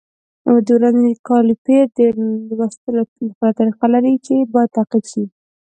د ورنیز کالیپر د لوستلو خپله طریقه لري چې باید تعقیب شي.